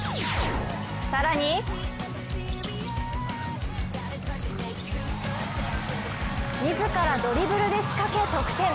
更に自らドリブルで仕掛け、得点。